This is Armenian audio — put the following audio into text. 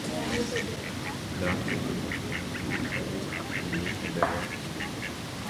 Դրանք երկրի մակերևույթ են դուրս գալիս աղբյուրների խմբերով։